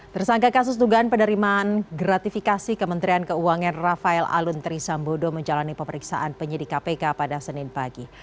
tersangka kasus dugaan penerimaan gratifikasi kementerian keuangan rafael alun trisambodo menjalani pemeriksaan penyidik kpk pada senin pagi